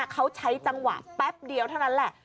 เขาใช้จังหวะแป๊บเดียวเท่านั้นแหละ